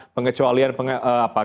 pengecualian karantina di rumah mbak dia